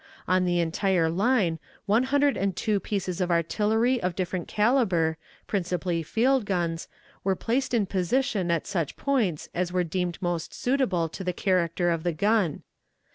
On the entire line, one hundred and two pieces of artillery of different caliber, principally field guns, were placed in position at such points as were deemed most suitable to the character of the gun.